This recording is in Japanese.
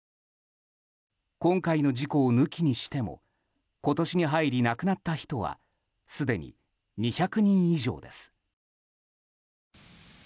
今回の事故を抜きにしても今年に入り、亡くなった人はすでに２００人以上です。